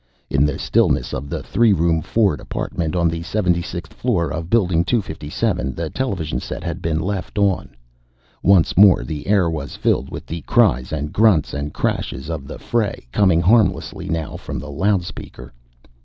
In the stillness of the three room Ford apartment on the 76th floor of Building 257, the television set had been left on. Once more the air was filled with the cries and grunts and crashes of the fray, coming harmlessly now from the loudspeaker.